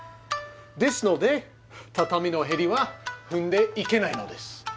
ですので畳のへりは踏んでいけないのです。